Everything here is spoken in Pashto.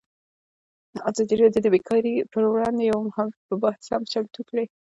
ازادي راډیو د بیکاري پر وړاندې یوه مباحثه چمتو کړې.